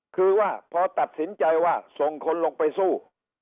คือว่าพอตัดสินใจว่าส่งคนลงไปสู้